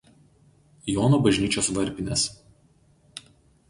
Jono bažnyčios varpinės.